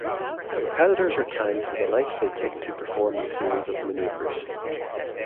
Competitors are timed for the length they take to perform the series of maneuvers.